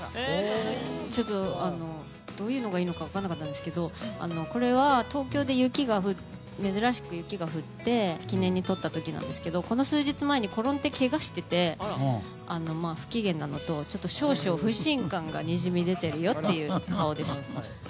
どういうのがいいのか分からなかったんですけどこれは珍しく東京で雪が降って記念に撮った時なんですけどこの数日前に転んでけがしてて不機嫌なのと少々不信感がにじみ出てるよという顔です。